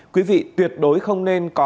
quý vị tuyệt đối không nên có